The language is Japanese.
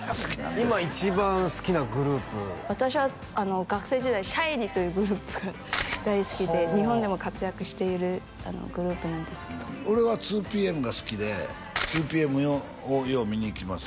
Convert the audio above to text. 今一番好きなグループ私は学生時代ＳＨＩＮｅｅというグループが大好きで日本でも活躍しているグループなんですけど俺は２ＰＭが好きで２ＰＭよう見に行きますよ